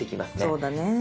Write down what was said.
そうだねぇ。